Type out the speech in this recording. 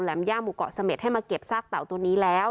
ย่าหมู่เกาะเสม็ดให้มาเก็บซากเต่าตัวนี้แล้ว